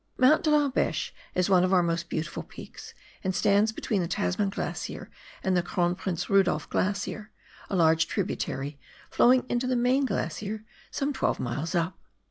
Mount De la Beche is one of our most beautiful peaks, and stands between the Tasman Glacier and the Kron Prinz Rudolf Glacier, a large tributary flowing into the main glacier some twelve miles up.